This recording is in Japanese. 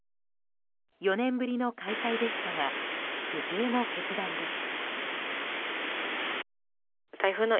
４年ぶりの開催でしたが苦渋の決断です。